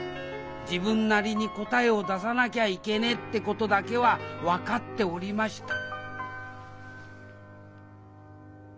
自分なりに答えを出さなきゃいけねえってことだけは分かっておりました